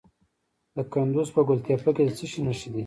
د کندز په ګل تپه کې د څه شي نښې دي؟